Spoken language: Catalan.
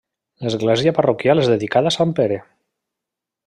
L'església parroquial és dedicada a sant Pere.